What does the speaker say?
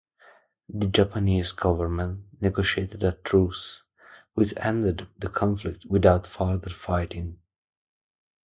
The Japanese government negotiated a truce, which ended the conflict without further fighting.